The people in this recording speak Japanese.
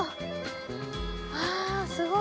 わぁすごい。